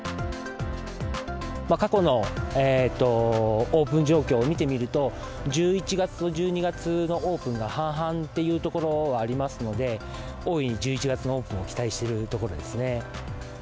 過去のオープン状況を見てみると、１１月と１２月のオープンが半々っていうところはありますので、大いに１１月オープンを期待しているところですね。